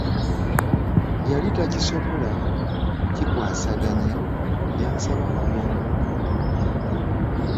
Yali takisobola kikwasaganya, y'ansaba nkomewo mu bwangu.